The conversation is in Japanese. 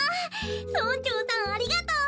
村長さんありがとう！